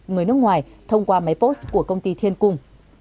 người nước ngoài thông qua máy post của công ty thiên cung